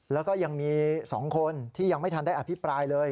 แล้วก็ยังมี๒คนที่ยังไม่ทันได้อภิปรายเลย